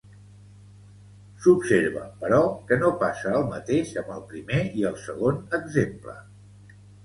S'observa, però, que no passa el mateix amb el primer i el segon exemple.